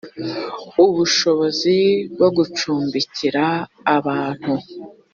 ubushobozi bwo gucumbikira abantu